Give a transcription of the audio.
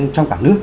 trong cả nước